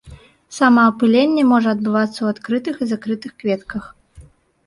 Самаапыленне можа адбывацца ў адкрытых і закрытых кветках.